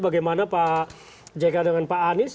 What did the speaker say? bagaimana pak jk dengan pak anies